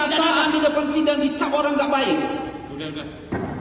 ternyata anda depansi dan dicak orang tak baik